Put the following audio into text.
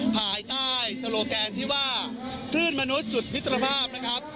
ภายใต้โซโลแกนที่ว่าคลื่นมนุษย์สุดมิตรภาพนะครับ